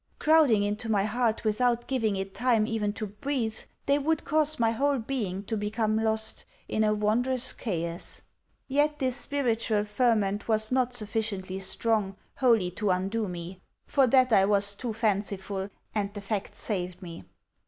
Crowding into my heart without giving it time even to breathe, they would cause my whole being to become lost in a wondrous chaos. Yet this spiritual ferment was not sufficiently strong wholly to undo me. For that I was too fanciful, and the fact saved me.